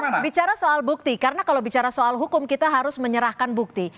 bicara soal bukti karena kalau bicara soal hukum kita harus menyerahkan bukti